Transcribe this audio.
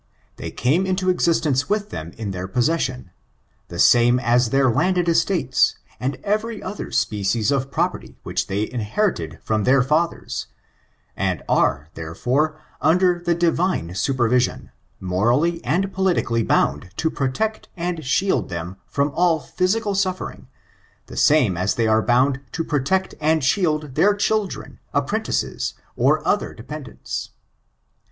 They came into existence with them in their possession, the same as their landed estates and every other species of property which they inher ited from their fathers, and are, therefore, under the Divine supervision, morally and politically bound to protect and shield them from all physical suffering, the same as they are bound to protect and shield their children, apprentices, or other dependants.